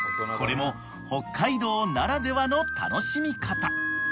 ［これも北海道ならではの楽しみ方］